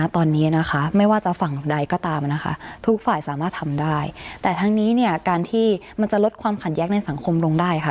ตอนนี้เนี่ยการที่มันจะลดความขัดแย้งในสังคมลงได้ค่ะ